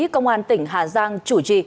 công an tỉnh hà giang chủ trì